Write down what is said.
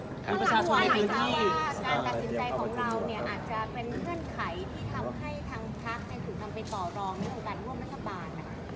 แล้วหลังจากนี้การตัดสินใจของเราเนี่ยอาจจะเป็นเมื่อนไขที่ทำให้ทั้งพรรคถูกทำไปต่อรองในการร่วมรัฐบาลนะครับ